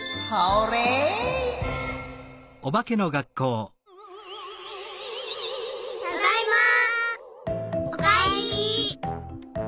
おかえり。